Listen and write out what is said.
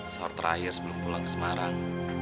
sorr terakhir sebelum pulang ke semarang